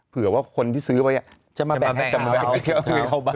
เผื่อว่าคนที่ซื้อไว้จะมาแบ่งข้าวเขาบ้าง